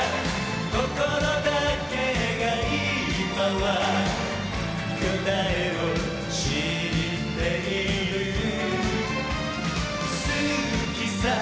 心だけがいまは答えを知っている好きさ